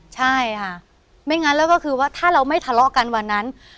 ใช่ค่ะไม่งั้นแล้วก็คือว่าถ้าเราไม่ทะเลาะกันวันนั้น